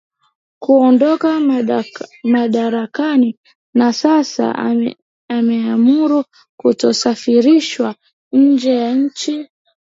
kuondoka madarakani na sasa ameamuru kutosafirishwa nje ya nchi